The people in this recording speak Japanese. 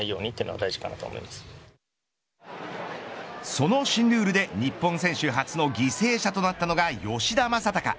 その新ルールで日本選手初の犠牲者となったのが吉田正尚。